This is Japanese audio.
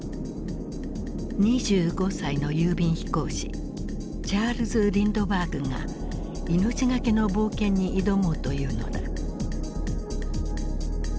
２５歳の郵便飛行士チャールズ・リンドバーグが命懸けの冒険に挑もうというのだ。